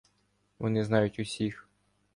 Вони знають усіх.